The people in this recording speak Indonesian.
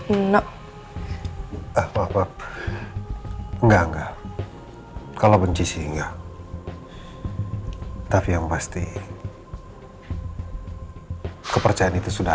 enggak enggak kalau benci sih enggak tapi yang pasti kepercayaan itu sudah